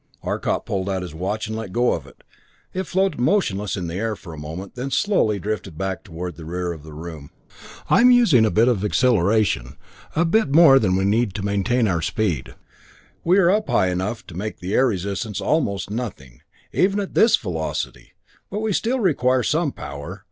Arcot pulled out his watch and let go of it. It floated motionless in the air for a moment, then slowly drifted back toward the rear of the room. "I am using a bit of acceleration a bit more than we need to maintain our speed. We are up high enough to make the air resistance almost nothing, even at this velocity, but we still require some power.